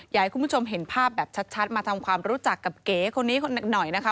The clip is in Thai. อยากให้คุณผู้ชมเห็นภาพแบบชัดมาทำความรู้จักกับเก๋คนนี้หน่อยนะคะ